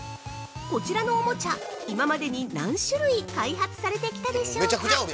こちらのおもちゃ今までに何種類開発されてきたでしょうか？